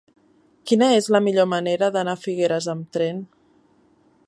Quina és la millor manera d'anar a Figueres amb tren?